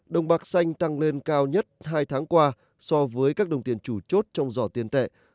đồng bạc xanh tăng lên cao nhất hai tháng qua so với các đồng tiền chủ chốt trong giỏ tiền tệ